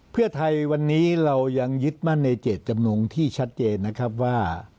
เพื่อไทยวันนี้เรายังยึดมั่นในเจตจำนงที่ชัดเจนนะครับว่า